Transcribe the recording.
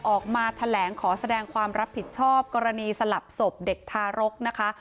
ออกมาแถลงขอแสดงความรับผิดชอบกรณีสลับศพเด็กทารกนะคะ